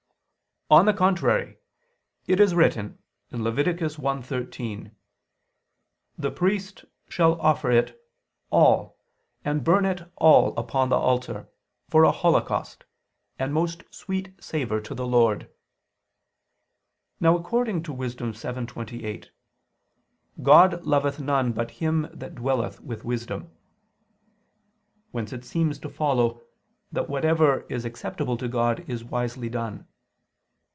On the contrary, It is written (Lev. 1:13): "The priest shall offer it all and burn it all upon the altar, for a holocaust, and most sweet savor to the Lord." Now according to Wis. 7:28, "God loveth none but him that dwelleth with wisdom": whence it seems to follow that whatever is acceptable to God is wisely done.